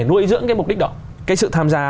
nuôi dưỡng cái mục đích đó cái sự tham gia